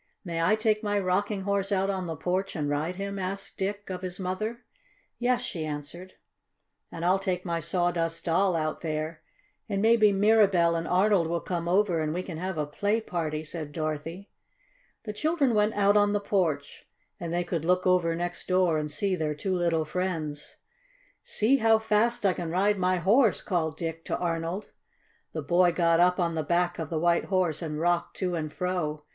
"May I take my Rocking Horse out on the porch and ride him?" asked Dick of his mother. "Yes," she answered. "And I'll take my Sawdust Doll out there, and maybe Mirabell and Arnold will come over and we can have a play party," said Dorothy. The children went out on the porch, and they could look over next door and see their two little friends. "See how fast I can ride my horse!" called Dick to Arnold. The boy got up on the back of the White Horse and rocked to and fro.